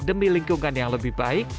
demi lingkungan yang lebih baik